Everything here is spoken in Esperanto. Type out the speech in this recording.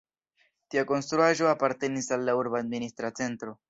Tiu konstruaĵo apartenis al la urba administra centro.